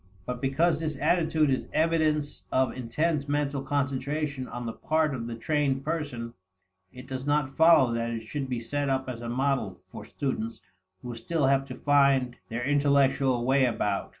But because this attitude is evidence of intense mental concentration on the part of the trained person, it does not follow that it should be set up as a model for students who still have to find their intellectual way about.